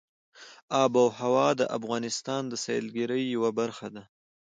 آب وهوا د افغانستان د سیلګرۍ یوه برخه ده.